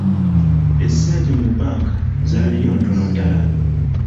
Essente mu banka zaliyo ntono ddala.